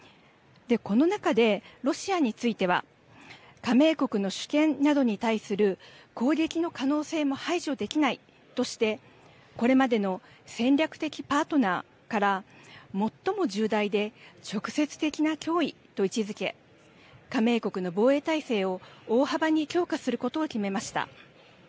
この中でロシアについては加盟国の主権などに対する攻撃の可能性も排除できないとしてこれまでの戦略的パートナーから最も重大で直接的な脅威と位置づけ加盟国の防衛態勢を大幅に強化することを決めました。